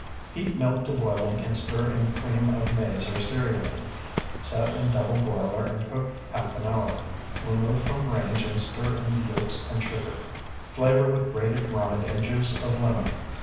Heat milk to boiling and stir in cream of maize or cerealine. Set in double boiler and cook half an hour. Remove from range and stir in the yolks and sugar. Flavor with grated rind and juice of lemon.